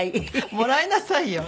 もらいなさいよ。